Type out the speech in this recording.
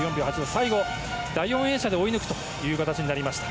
最後、第４泳者で追い抜く形になりました。